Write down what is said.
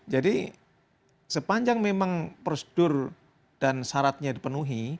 jadi sepanjang memang prosedur dan syaratnya dipenuhi